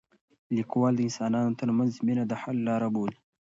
لیکوال د انسانانو ترمنځ مینه د حل لاره بولي.